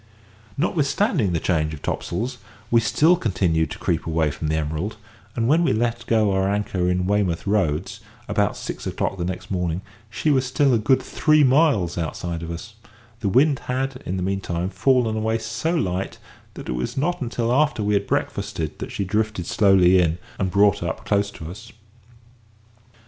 Notwithstanding the change of topsails, we still continued to creep away from the Emerald, and when we let go our anchor in Weymouth Roads, about six o'clock the next morning, she was still a good three miles outside of us; the wind had, in the meantime, fallen away so light, that it was not until after we had breakfasted that she drifted slowly in and brought up close to us.